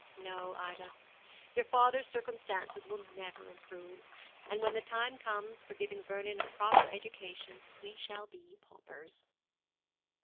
No, Ida, your father's circumstances will never improve; and when the time comes for giving Vernon a proper education we shall be paupers.'